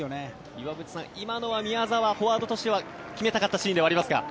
岩渕さん、今のは宮澤フォワードとしては決めたかったシーンではありますか。